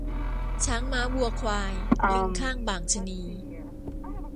ช้างม้าวัวควาย ลิงค่างบ่างชะนี